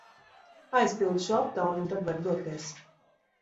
Aizpildi šo aptauju un tad vari doties!